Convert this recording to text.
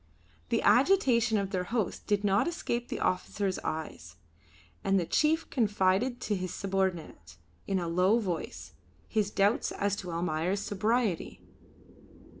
The agitation of their host did not escape the officer's eyes, and the chief confided to his subordinate, in a low voice, his doubts as to Almayer's sobriety.